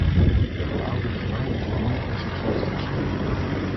Voor oudere vrouwen is het moeilijker zichzelf te beschermen.